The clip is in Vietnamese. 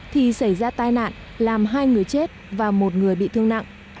thì xảy ra tai nạn làm hai người chết và một người bị thương nặng